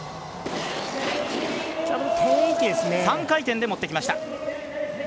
３回転で持ってきました。